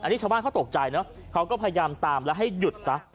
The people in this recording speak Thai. นี่ชาวบ้านเขาตกใจเนอะเขาก็พยายามตามแล้วให้หยุดซะ